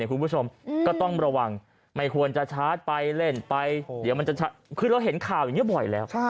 คุณผู้ชมก็ต้องระวังไม่ควรจะชาร์จไปเล่นไปเดี๋ยวมันจะคือเราเห็นข่าวอย่างนี้บ่อยแล้ว